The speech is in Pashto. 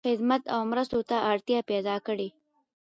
خدمت او مرستو ته اړتیا پیدا کړی.